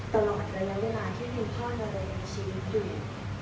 ตลอดระยะเวลาที่ไม่พ่อระลัยในชีวิตหรือ